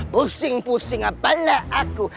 pusing pusing pandai aku